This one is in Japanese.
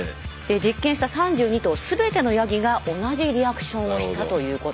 実験した３２頭すべてのヤギが同じリアクションをしたということです。